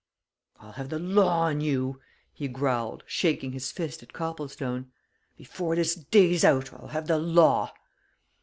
"I'll have the law on you!" he growled, shaking his fist at Copplestone. "Before this day's out, I'll have the law!"